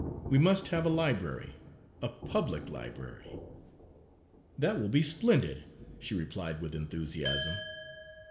We must have a library, a public library." "That will be splendid!" she replied with enthusiasm.